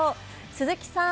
鈴木さん